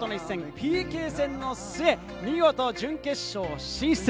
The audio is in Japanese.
ＰＫ戦の末、見事、準決勝進出。